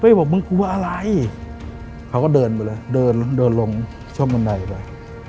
บอกมึงกลัวอะไรเขาก็เดินไปเลยเดินลงเดินลงช่องบันไดไป